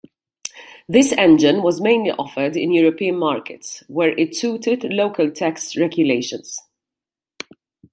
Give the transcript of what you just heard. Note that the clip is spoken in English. This engine was mainly offered in European markets, where it suited local tax regulations.